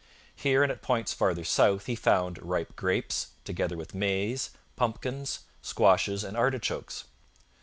Here and at points farther south he found ripe grapes, together with maize, pumpkins, squashes, and artichokes.